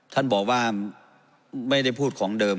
ท่านบอกว่าไม่ได้พูดของเดิม